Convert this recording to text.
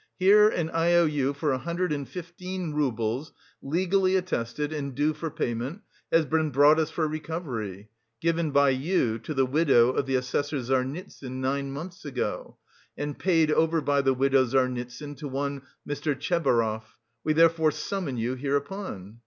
Here, an I O U for a hundred and fifteen roubles, legally attested, and due for payment, has been brought us for recovery, given by you to the widow of the assessor Zarnitsyn, nine months ago, and paid over by the widow Zarnitsyn to one Mr. Tchebarov. We therefore summon you, hereupon."